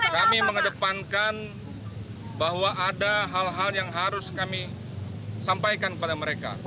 kami mengedepankan bahwa ada hal hal yang harus kami sampaikan kepada mereka